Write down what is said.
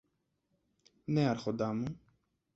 Ναι, Άρχοντα μου.